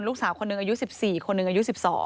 ลูกสาวคนหนึ่งอายุ๑๔คนหนึ่งอายุ๑๒